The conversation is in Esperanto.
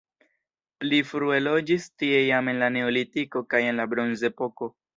Pli frue loĝis tie jam en la neolitiko kaj en la bronzepoko.